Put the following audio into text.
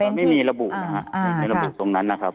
ไม่มีระบุนะครับในระบบตรงนั้นนะครับ